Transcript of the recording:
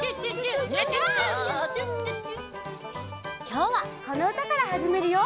きょうはこのうたからはじめるよ！